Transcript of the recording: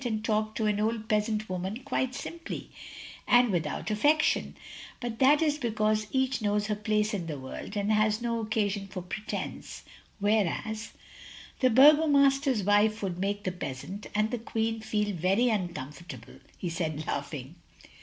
ad talk to an old peasant woman quite simply, OF GROSVENOR SQUARE 247 and without affectation — ^but that is because each knows her place in the world, and has no occasion for pretence, whereas —" "The burgomaster's wife would make the peasant — and the Queen, feel very uncomfort able," he said, laughing.